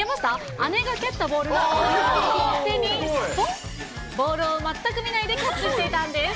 姉が蹴ったボールがボールを全く見ないでキャッチしていたんです。